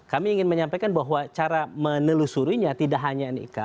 jadi kami ingin menyampaikan bahwa cara menelusurinya tidak hanya nik